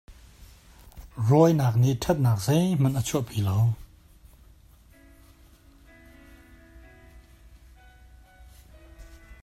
Rawinak nih ṭhatnak zeihmanh a chuah pi lo.